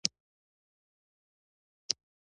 بدرنګه خوی له مهربانۍ لرې وي